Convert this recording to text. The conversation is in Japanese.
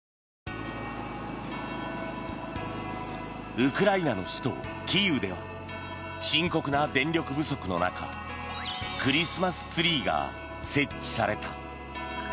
ウクライナの首都キーウでは深刻な電力不足の中クリスマスツリーが設置された。